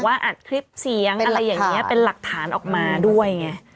เหมือนอาจคลิปเสียงเป็นหลักฐานออกมาด้วย